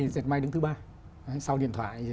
dệt may đứng thứ ba sau điện thoại